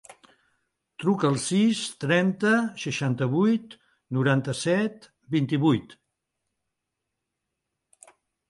Truca al sis, trenta, seixanta-vuit, noranta-set, vint-i-vuit.